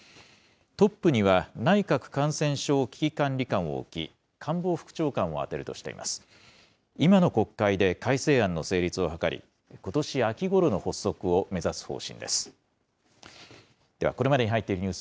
トップには、内閣感染症危機管理監を置き、官房副長官を充てるとしています。